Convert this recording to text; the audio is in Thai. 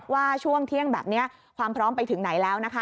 ว่าช่วงเที่ยงแบบนี้ความพร้อมไปถึงไหนแล้วนะคะ